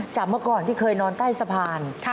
เมื่อก่อนที่เคยนอนใต้สะพาน